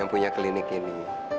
yang punya klinik ini